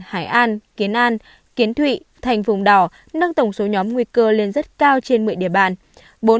hải an kiến an kiến thụy thành vùng đỏ nâng tổng số nhóm nguy cơ lên rất cao trên một mươi địa bàn